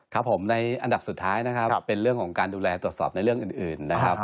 ครับผมในอันดับสุดท้ายนะครับเป็นเรื่องของการดูแลตรวจสอบในเรื่องอื่นนะครับ